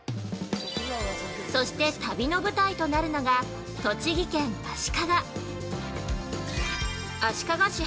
そして旅の舞台なるのが栃木県・足利足利氏